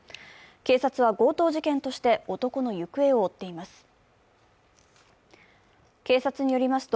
警察は強盗事件として男の行方を追っています。